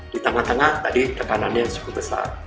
di tengah tengah tadi tekanannya cukup besar